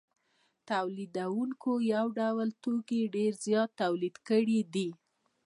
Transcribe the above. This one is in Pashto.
تولیدونکو یو ډول توکي ډېر زیات تولید کړي دي